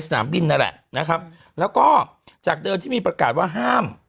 สนามบินนั่นแหละนะครับแล้วก็จากเดิมที่มีประกาศว่าห้าม